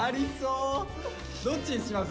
どっちにします？